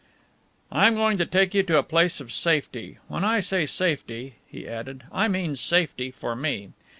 "I am going to take you to a place of safety. When I say safety," he added, "I mean safety for me.